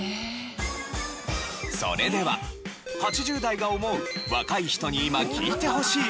それでは８０代が思う若い人に今聴いてほしい歌。